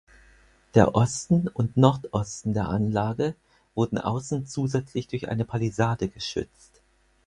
Der Osten und Nordosten der Anlage wurden außen zusätzlich durch eine Palisade geschützt.